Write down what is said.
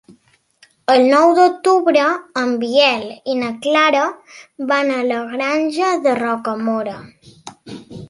El nou d'octubre en Biel i na Clara van a la Granja de Rocamora.